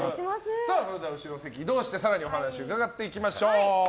それでは後ろの席に移動して更にお話伺っていきましょう。